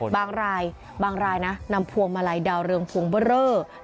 บางรายนำพวงมาลัยดาวเรืองพวงเบอร์เรอร์